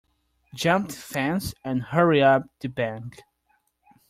Jump the fence and hurry up the bank.